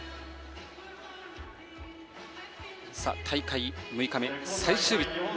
大会６日目、最終日。